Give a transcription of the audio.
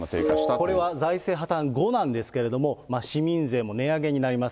これは財政破綻後なんですけれども、市民税も値上げになります。